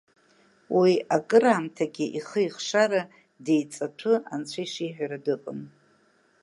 Уи акыр аамҭагьы ихы-ихшара деиҵаҭәы анцәа ишиҳәара дыҟан.